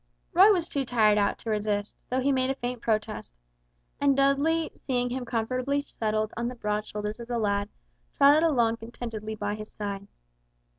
Roy was too tired out to resist, though he made a faint protest, and Dudley seeing him comfortably settled on the broad shoulders of the lad, trotted along contentedly by his side.